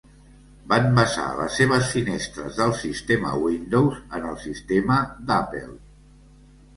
Van basar les seves finestres del sistema Windows en el sistema d'Apple.